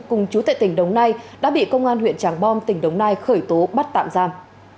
cùng chú tại tỉnh đồng nai đã bị công an huyện tràng bom tỉnh đồng nai khởi tố bắt tạm giam